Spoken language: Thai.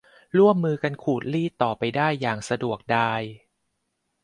ร่วมมือกันขูดรีดต่อไปได้อย่างสะดวกดาย